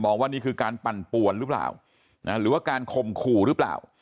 มองว่านี่คือการปั่นปวนรึเปล่านะฮะหรือว่าการคมขู่รึเปล่า